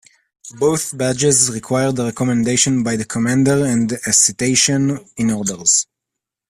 Both badges required a recommendation by the commander and a citation in orders.